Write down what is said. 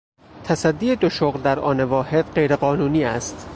تصدی دو شغل در آن واحد غیر قانونی است.